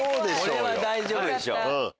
これは大丈夫でしょ。